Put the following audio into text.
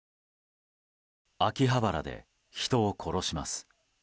秋葉原で人を殺します。